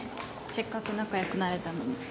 せっかく仲良くなれたのに。